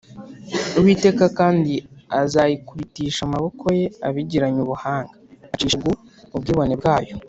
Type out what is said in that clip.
Uwiteka kandi azayikubitisha amaboko ye abigiranye ubuhanga, acishe bugu ubwibone bwayo